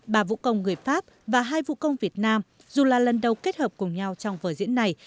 bà vũ công người pháp và hai vũ công việt nam dù là lần đầu kết hợp cùng nhau trong vở diễn này